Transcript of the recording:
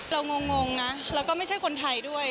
งงนะแล้วก็ไม่ใช่คนไทยด้วย